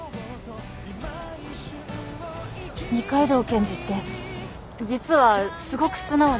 二階堂検事って実はすごく素直で。